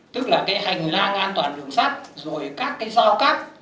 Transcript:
tức là cái hành lang an toàn đường sắt rồi các cái giao cắt